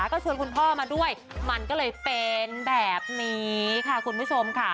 ก็ชวนคุณพ่อมาด้วยมันก็เลยเป็นแบบนี้ค่ะคุณผู้ชมค่ะ